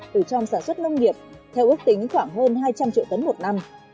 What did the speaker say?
từ trong sản xuất nông nghiệp theo ước tính khoảng hơn hai trăm linh triệu tấn một năm